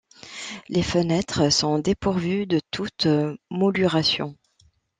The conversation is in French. Les fenêtres sont dépourvues de toute mouluration.